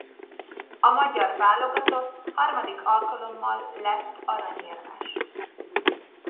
A magyar válogatott harmadik alkalommal lett aranyérmes.